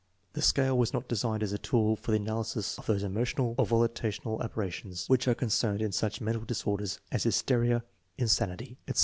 The scale was not designed as a tool for the analysis of those emotional or volitional aberrations which are concerned in such mental disorders as hysteria, insanity, etc.